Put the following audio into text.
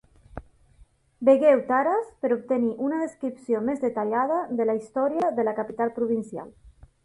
Vegeu Taraz per obtenir una descripció més detallada de la història de la capital provincial.